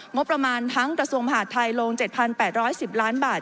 งบประมาณทั้งกระทรวงมหาดไทยลง๗๘๑๐ล้านบาท